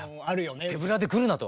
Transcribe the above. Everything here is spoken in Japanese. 手ぶらで来るなと。